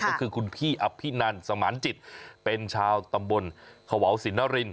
ก็คือคุณพี่อภินันสมานจิตเป็นชาวตำบลขวาวสินนริน